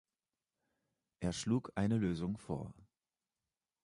Er schlug eine Lösung vor.